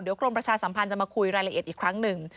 กรมประชาสัมพันธ์จะมาคุยรายละเอียดอีกครั้งหนึ่ง